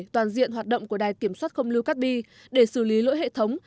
toàn diện hoạt động của đài kiểm soát không lưu cát bi để xử lý lỗi hệ thống